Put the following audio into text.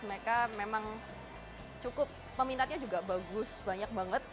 mereka memang cukup peminatnya juga bagus banyak banget